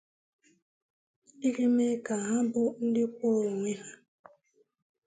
iji mee ka ha bụ ndị kwụụrụ onwe ha